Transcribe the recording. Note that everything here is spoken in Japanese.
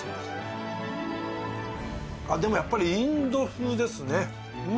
でもやっぱりインド風ですね。